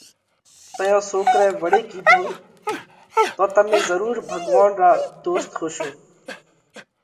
تئيون سوڪرئہ وۯي ڪِيڌو: تو تمي ضرور ڀڳوونَ را ڌوست هوشو؟